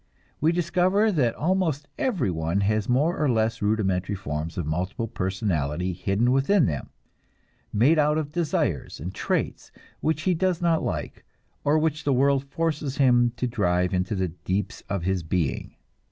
We discover that almost everyone has more or less rudimentary forms of multiple personality hidden within him; made out of desires and traits which he does not like, or which the world forces him to drive into the deeps of his being.